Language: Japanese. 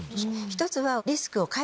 １つは。